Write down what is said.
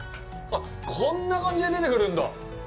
こんな感じで出てくるんだ。